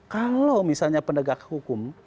kalau misalnya penegak hukum